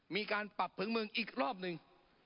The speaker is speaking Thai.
มีการปรับเผิงเมืองอีกรอบหนึ่ง